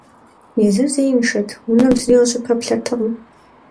Езыр зеиншэт, унэм зыри къыщыпэплъэртэкъым.